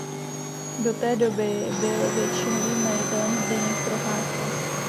Do té doby by většinovým majitelem Zdeněk Procházka.